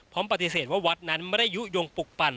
ปฏิเสธว่าวัดนั้นไม่ได้ยุโยงปลุกปั่น